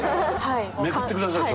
めくってくださいそれ。